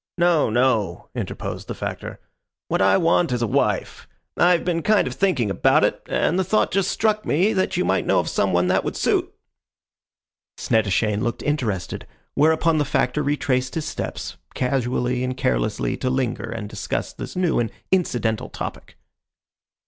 "No, no," interposed the Factor. "What I want is a wife. I've been kind of thinking about it, and the thought just struck me that you might know of some one that would suit." Snettishane looked interested, whereupon the Factor retraced his steps, casually and carelessly to linger and discuss this new and incidental topic.